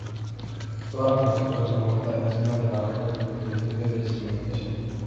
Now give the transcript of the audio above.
Toda la construcción se monta encima de la roca que le sirve de cimentación.